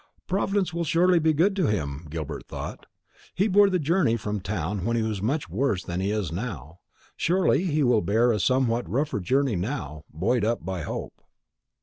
"Providence will surely be good to him," Gilbert thought. "He bore the journey from town when he was much worse than he is now. Surely he will bear a somewhat rougher journey now, buoyed up by hope."